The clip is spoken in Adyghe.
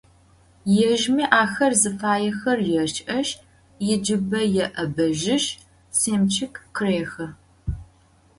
Yêjmi axer zıfaêxer yêş'eşs, yicıbe yê'ebejışs, sêmçık khırêxı.